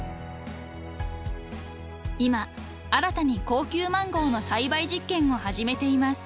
［今新たに高級マンゴーの栽培実験を始めています］